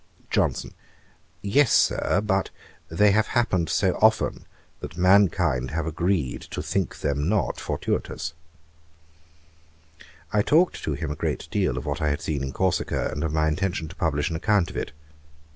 JOHNSON. 'Yes, Sir; but they have happened so often, that mankind have agreed to think them not fortuitous.' I talked to him a great deal of what I had seen in Corsica, and of my intention to publish an account of it.